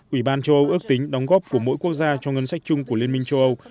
ủy ban châu âu ước tính đóng góp của mỗi quốc gia cho ngân sách chung của liên minh châu âu